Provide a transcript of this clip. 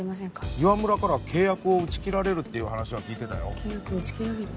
岩村から契約を打ち切られるという話は聞いてたよ契約を打ち切られる？